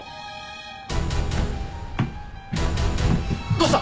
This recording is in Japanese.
どうした？